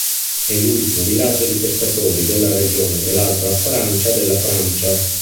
È l'ultimo villaggio di pescatori della regione dell'Alta Francia della Francia.